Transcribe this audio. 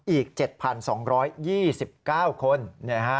๒๕๖๓อีก๗๒๒๙คน